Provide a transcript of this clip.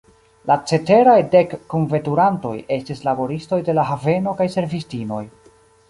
La ceteraj dek kunveturantoj estis laboristoj de la haveno kaj servistinoj.